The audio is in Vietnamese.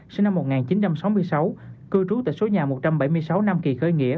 sinh năm một nghìn chín trăm sáu mươi sáu cư trú tại số nhà một trăm bảy mươi sáu nam kỳ khởi nghĩa